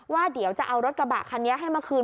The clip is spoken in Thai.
ว่าเดี๋ยวจะเอารถกระบะคันนี้ให้มาคืน